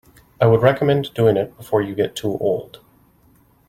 I would recommend doing it before you get too old.